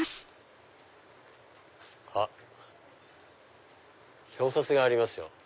あっ表札がありますよ。